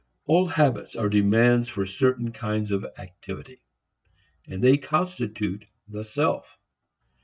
All habits are demands for certain kinds of activity; and they constitute the self.